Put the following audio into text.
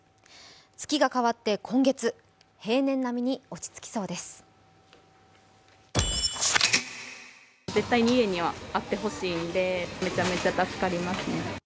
月が変わって今月、平年並みに落ち着きそうです。